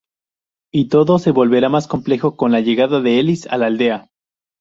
Y todo se volverá más complejo con la llegada de Ellis a la aldea.